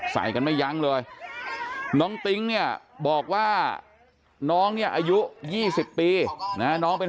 ใส่กันไม่ยั้งเลยน้องติ๊งเนี่ยบอกว่าน้องเนี่ยอายุ๒๐ปีนะน้องเป็น